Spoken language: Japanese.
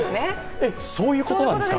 えっそういうことなんですか？